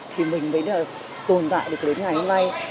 thì mình mới tồn tại được đến ngày hôm nay